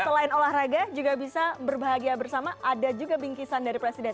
selain olahraga juga bisa berbahagia bersama ada juga bingkisan dari presiden